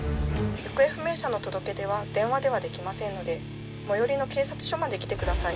行方不明者の届け出は電話ではできませんので最寄りの警察署まで来てください。